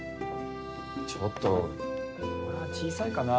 ちょっとこれは小さいかなぁ。